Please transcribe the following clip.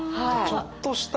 ちょっとした